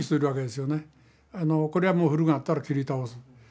これはもう古くなったら切り倒す。